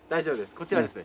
こちらですね